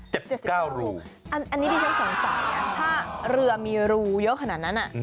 ใช่มั้ยแต่รูเยอะมากเลยนะ